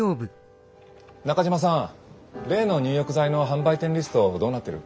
中島さん例の入浴剤の販売店リストどうなってる？